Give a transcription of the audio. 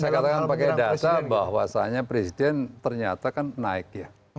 saya katakan pakai data bahwasannya presiden ternyata kan naik ya